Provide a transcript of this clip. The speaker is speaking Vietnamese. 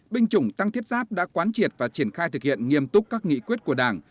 binh chủng tăng thiết giáp đã quán triệt và triển khai thực hiện nghiêm túc các nghị quyết của đảng